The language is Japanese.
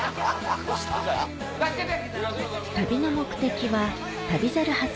助けて。